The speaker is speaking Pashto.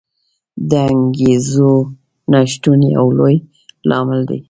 د انګېزو نه شتون یو لوی لامل دی.